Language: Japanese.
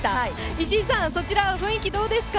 石井さん、そちらの雰囲気はどうですか？